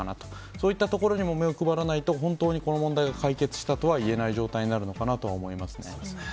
そういったところにも目を配らないと、本当に、この問題が解決したとはいえない状態になるのかなと思いますね。